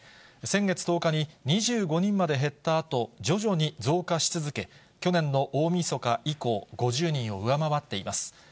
先月１０日に２５人まで減ったあと、徐々に増加し続け、去年の大みそか以降、５０人を上回っています。